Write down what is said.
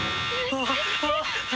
あっ！